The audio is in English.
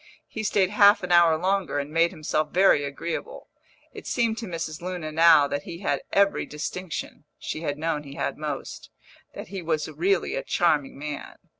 He stayed half an hour longer, and made himself very agreeable. It seemed to Mrs. Luna now that he had every distinction (she had known he had most), that he was really a charming man.